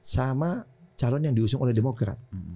sama calon yang diusung oleh demokrat